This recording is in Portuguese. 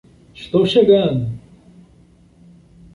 Estou chegando!